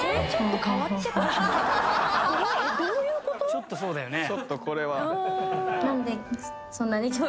ちょっとそうだよね。